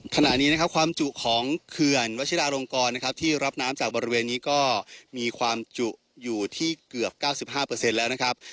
ขณะนี้นะครับความจุของเขื่อนวัชิราลงกรนะครับที่รับน้ำจากบริเวณนี้ก็มีความจุอยู่ที่เกือบ๙๕แล้วนะครับ